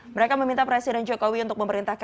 mereka meminta presiden jokowi untuk memerintahkan